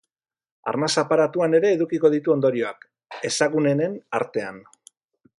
Arnas aparatuan ere edukiko ditu ondorioak, ezagunenen artean.